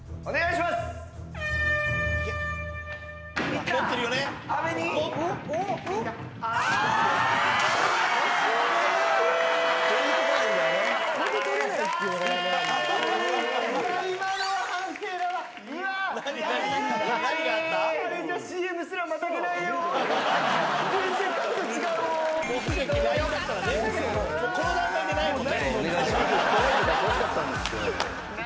お願いしますよ。